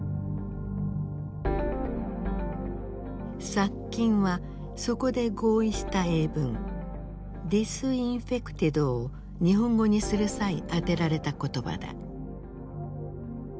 「殺菌」はそこで合意した英文「ｄｉｓｉｎｆｅｃｔｅｄ」を日本語にする際当てられた言葉だ。